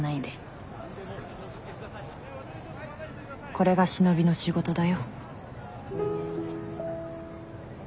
これが忍びの仕事だよ。